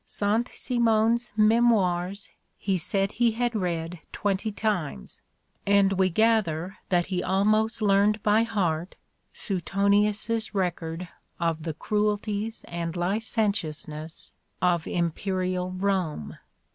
Saint Simon's "Memoirs" he said he had read twenty times, and we gather that he almost learned by heart Seutonius 's record of "the cruelties and licentiousness of imperial Rome."